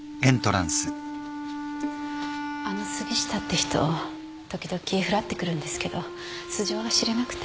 あの杉下って人時々ふらって来るんですけど素性が知れなくて。